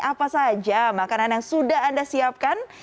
apa saja makanan yang sudah anda siapkan